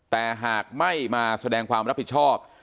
แต่หากไม่มาแสดงความรับผิดชอบ